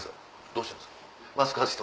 どうしたんですか？